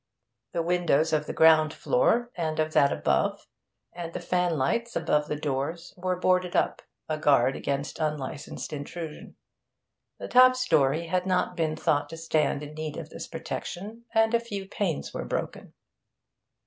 The windows of the ground floor and of that above, and the fanlights above the doors, were boarded up, a guard against unlicensed intrusion; the top story had not been thought to stand in need of this protection, and a few panes were broken.